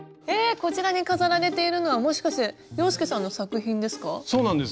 こちらに飾られているのはもしかして洋輔さんの作品ですか？